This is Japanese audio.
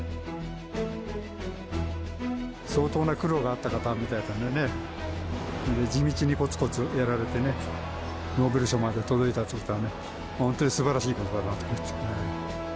相当な苦労があった方みたいなのでね、地道にこつこつやられてね、ノーベル賞まで届いたということは、もう本当にすばらしいことだなと思って。